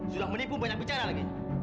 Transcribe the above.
sudah menipu banyak bicara lagi